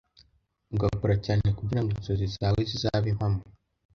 ugakora cyane kugira ngo inzozi zawe zizabe impamo.